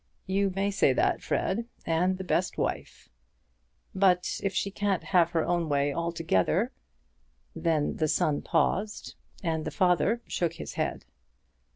"You may say that, Fred; and the best wife." "But if she can't have her own way altogether " Then the son paused, and the father shook his head.